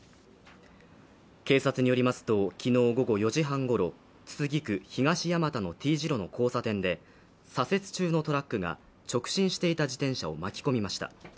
警察によりますときのう午後４時半ごろ都筑区東山田のＴ字路の交差点で左折中のトラックが直進していた自転車を巻き込みました